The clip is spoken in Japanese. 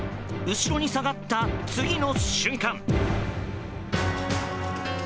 後ろに下がった次の瞬間。